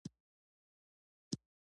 واټن په بېساري ډول ژور شوی و.